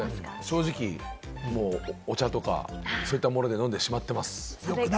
正直、お茶とかそういったもので飲んでしまっています。